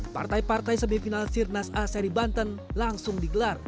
partai partai semifinal sirnas a seri banten langsung digelar